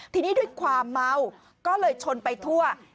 ทีนี้ด้วยความเมาก็เลยชนไปทั่ว